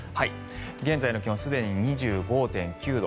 現在の気温すでに２５．９度。